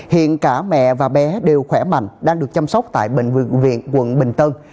hiện cả mẹ và bé đều khỏe mạnh đang được chăm sóc tại bệnh viện quận bình tân